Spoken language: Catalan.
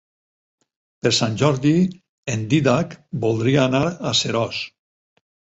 Per Sant Jordi en Dídac voldria anar a Seròs.